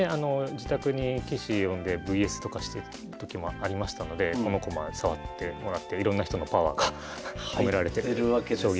自宅に棋士呼んでＶＳとかしてた時もありましたのでこの駒触ってもらっていろんな人のパワーが込められてる将棋駒ですね。